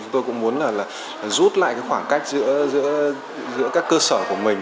tôi cũng muốn rút lại khoảng cách giữa các cơ sở của mình